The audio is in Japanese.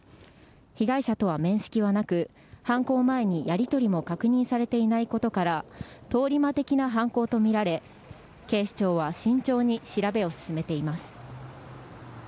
被害者とは面識はなく犯行前にやりとりも確認されていないことから通り魔的な犯行とみられ警視庁は慎重に調べを進めています。